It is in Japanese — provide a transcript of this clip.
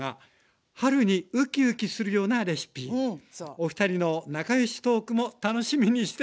おふたりの仲良しトークも楽しみにしています！